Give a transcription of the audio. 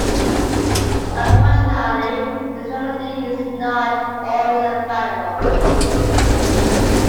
Unfortunately, this remedy is not always available.